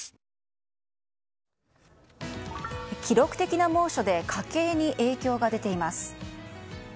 記録的な猛暑で家計に影響が出ています。